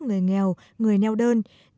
người nghèo người neo đơn